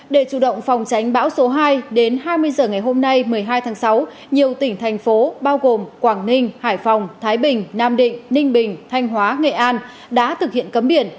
để chủ động phòng tránh bão số hai đến hai mươi h ngày hôm nay một mươi hai tháng sáu nhiều tỉnh thành phố bao gồm quảng ninh hải phòng thái bình nam định ninh bình thanh hóa nghệ an đã thực hiện cấm biển